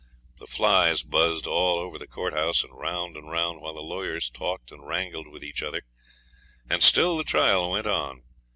The flies buzzed all over the courthouse, and round and round, while the lawyers talked and wrangled with each other; and still the trial went on.